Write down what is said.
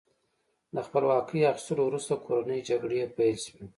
د خپلواکۍ اخیستلو وروسته کورنۍ جګړې پیل شوې.